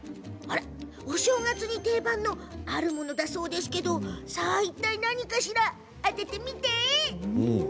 お正月に定番のあるものだそうですけどいったい何か当ててみて！